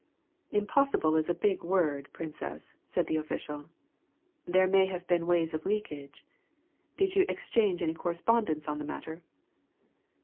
"Impossible is a big word, Princess," said the official. "There may have been ways of leakage. Did you exchange any correspondence on the matter?"